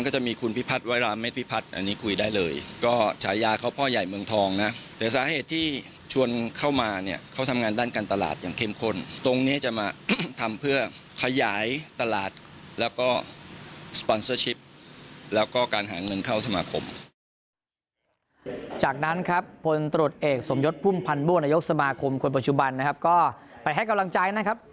จากนั้นครับพลตรวจเอกสมยศพุ่มพันธ์บัวนายกสมาคมคนปัจจุบันนะครับก็ไปให้กำลังใจนะครับ